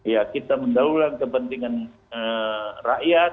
ya kita mendahulukan kepentingan rakyat